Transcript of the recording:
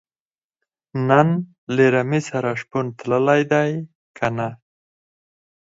نن له رمې سره شپون تللی دی که نۀ